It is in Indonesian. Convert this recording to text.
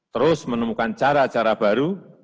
terus menemukan cara cara baru